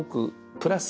プラス